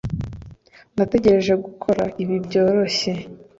natekereje gukora ibi byoroshye